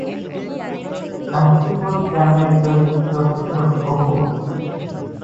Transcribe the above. কাশীপুর গ্রামের দরিদ্র কৃষক গফুর।